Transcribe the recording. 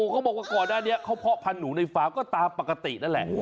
เขาบอกว่าก่อนหน้านี้เขาเพาะพันธุในฟาร์มก็ตามปกตินั่นแหละ